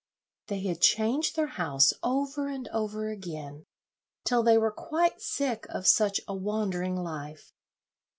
They had changed their house over and over again, till they were quite sick of such a wandering life.